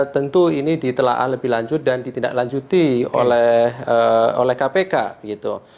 tentu ini ditelan lebih lanjut dan ditindak lanjuti oleh kpk gitu